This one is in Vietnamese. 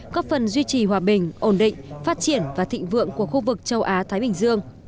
cấp phần duy trì hòa bình ổn định phát triển và thịnh vượng của khu vực châu á thái bình dương